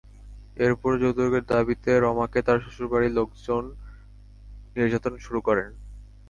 এরপরও যৌতুকের দাবিতে রমাকে তাঁর শ্বশুর বাড়ির লোকজন নির্যাতন শুরু করেন।